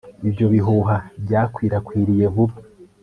ibyo bihuha byakwirakwiriye vuba